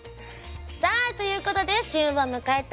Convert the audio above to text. さあということで旬を迎えた